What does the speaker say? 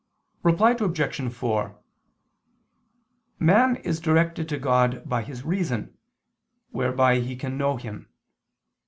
Reply Obj. 4: Man is directed to God by his reason, whereby he can know Him.